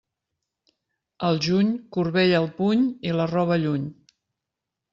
Al juny, corbella al puny i la roba lluny.